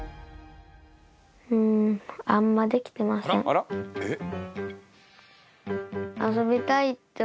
あら？えっ？